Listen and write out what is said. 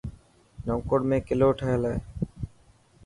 نئونڪوٽ ۾ ڪلو ٺهيل هي.